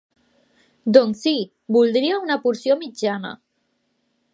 Doncs si, voldria una porció mitjana.